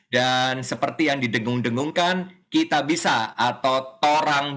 dan seperti yang didengung dengungkan kita bisa atau tolong